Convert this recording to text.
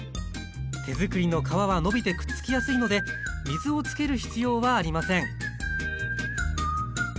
手づくりの皮は伸びてくっつきやすいので水をつける必要はありません